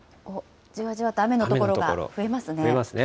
じわじわと雨の所が増えますね。